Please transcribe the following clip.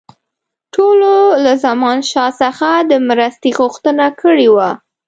ټولو له زمانشاه څخه د مرستې غوښتنه کړې وه.